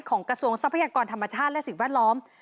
กระทรวงทรัพยากรธรรมชาติและสิ่งแวดล้อม